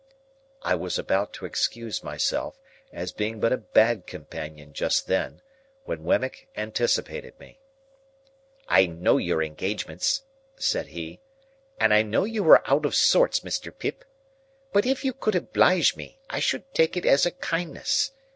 I was about to excuse myself, as being but a bad companion just then, when Wemmick anticipated me. "I know your engagements," said he, "and I know you are out of sorts, Mr. Pip. But if you could oblige me, I should take it as a kindness.